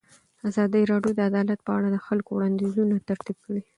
ازادي راډیو د عدالت په اړه د خلکو وړاندیزونه ترتیب کړي.